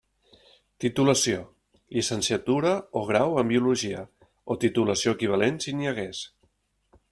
Titulació: llicenciatura o grau en Biologia, o titulació equivalent si n'hi hagués.